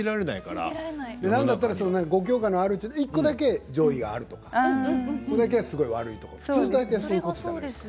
で何だったらその５教科のあるうちの１個だけ上位があるとか１個だけはすごい悪いとか普通大体そういうことじゃないすか。